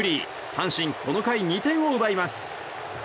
阪神、この回２点を奪います。